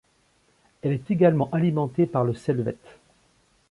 Elle est également alimentée par le Selvet.